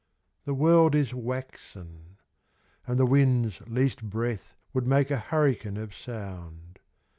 The world i^ waxen : and the wind's least breath Would make a hurricane of sound.